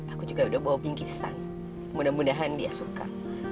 aku juga udah bawa bingkisan mudah mudahan dia suka